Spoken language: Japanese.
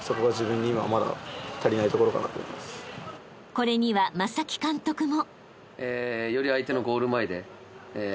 ［これには正木監督も］